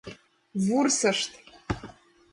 Вурсышт!